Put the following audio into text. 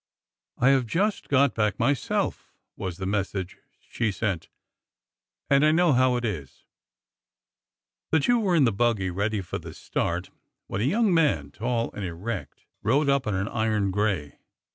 I have just got back myself," was the message she sent, and I know how it is !" The two were in the buggy, ready for the start, when a 3^oung man, tall and erect, rode up on an iron gray.